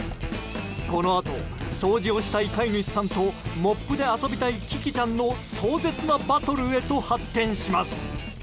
このあと掃除をしたい飼い主さんとモップで遊びたいキキちゃんの壮絶なバトルへと発展します。